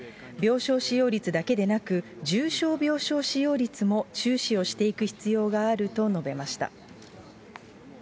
病床使用率だけでなく、重症病床使用率も注視をしていく必要があると述べました。